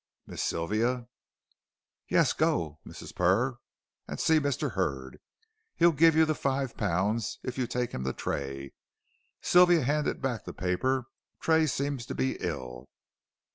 Miss Sylvia " "Yes, go, Mrs. Purr, and see Mr. Hurd. He'll give you the five pounds if you take him to Tray." Sylvia handed back the paper. "Tray seems to be ill."